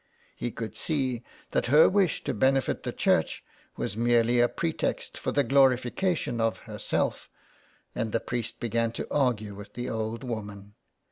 He could see that her wish to benefit the church was merely a pretext for the glorification of herself, and the priest began to argue with the old woman.